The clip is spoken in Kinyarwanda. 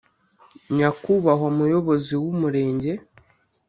nyakubahwa muyobozi w’umurenge,